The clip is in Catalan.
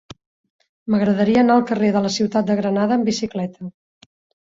M'agradaria anar al carrer de la Ciutat de Granada amb bicicleta.